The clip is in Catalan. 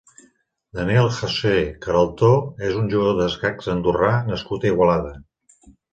Daniel José Queraltó és un jugador d'escacs andorrà nascut a Igualada.